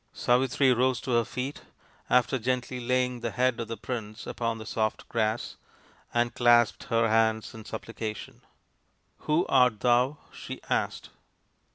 Savitri rose to her feet, after gently laying the head of the prince upon the soft grass, and clasped her hands in supplication. " Who art thou ?" she asked.